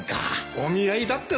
お見合いだってさ